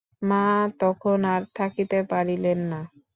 মা তখন আর থাকিতে পারিলেন না।